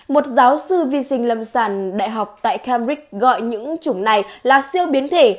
một giáo sư vi sinh lâm sản đại học tại cambridge gọi những chủng này là siêu biến thể